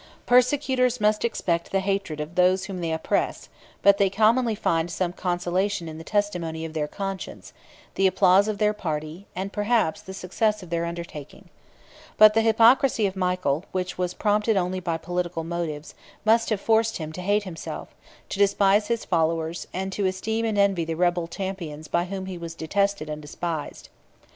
35 Persecutors must expect the hatred of those whom they oppress; but they commonly find some consolation in the testimony of their conscience, the applause of their party, and, perhaps, the success of their undertaking. But the hypocrisy of Michael, which was prompted only by political motives, must have forced him to hate himself, to despise his followers, and to esteem and envy the rebel champions by whom he was detested and despised.